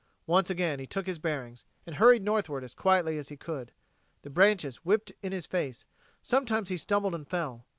Once again he took his bearings, and hurried northward as quietly as he could. The branches whipped in his face; sometimes he stumbled and fell.